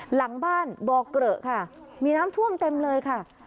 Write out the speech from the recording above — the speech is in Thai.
หลังบ้านบ่อเกลอะค่ะมีน้ำท่วมเต็มเลยค่ะ